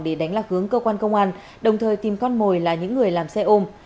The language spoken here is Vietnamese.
để đánh lạc hướng cơ quan công an đồng thời tìm con mồi là những người làm xe ôm